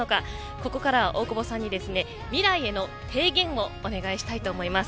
ここからは大久保さんに未来への提言をお願いしたいと思います。